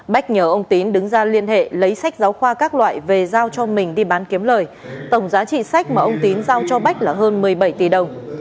bách nhờ ông tín đứng ra liên hệ lấy sách giáo khoa các loại về giao cho mình đi bán kiếm lời tổng giá trị sách mà ông tín giao cho bách là hơn một mươi bảy tỷ đồng